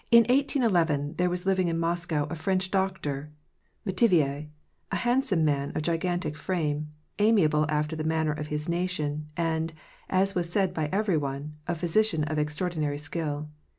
In 1811, there was living in Moscow a French doctor, Metivier, a handsome man of gigantic frame, amiable after the manner of his nation, and, as was said by every one, a ph^^si cian of extraordinary skill.